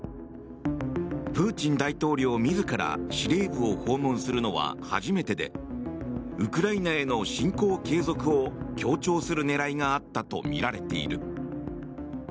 プーチン大統領自ら司令部を訪問するのは初めてでウクライナへの侵攻継続を強調する狙いがあったとみられている。